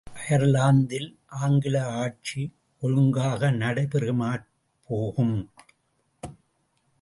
அயர்லாந்தில் ஆங்கில ஆட்சி ஒழுங்காக நடைபெறாமற் போகும்.